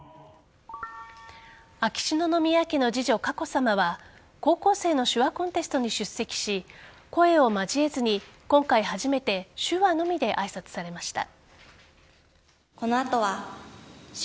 秋篠宮家の次女・佳子さまは高校生の手話コンテストに出席し声を交えずに今回初めて手話のみで挨拶されました。